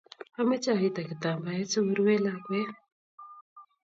Amache aito kitambaet siko ruwe lakwet